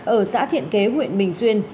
ở xã thiện kế huyện bình xuyên